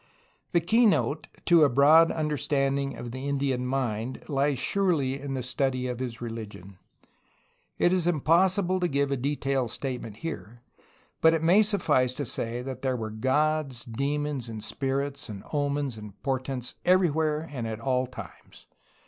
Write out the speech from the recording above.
The keynote to a broad understanding of the Indian mind lies surely in a study of his religion. It is impossible to give a detailed statement here, but it may suffice to say that there were gods, demons, and spirits, and omens and portents, everywhere and at all times.